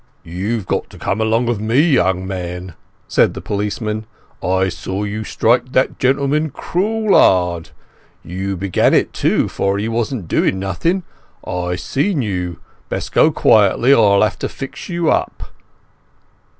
"You've got to come along of me, young man," said the policeman. "I saw you strike that gentleman crool 'ard. You began it too, for he wasn't doing nothing. I seen you. Best go quietly or I'll have to fix you up."